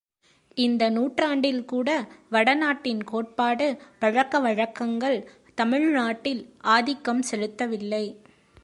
இந்த நூற்றாண்டில் கூட வட நாட்டின் கோட்பாடு, பழக்க வழக்கங்கள் தமிழ்நாட்டில் ஆதிக்கஞ் செலுத்தவில்லை.